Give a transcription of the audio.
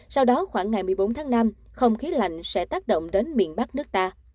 sau đó khoảng ngày một mươi bốn tháng năm không khí lạnh sẽ tác động đến miền bắc nước ta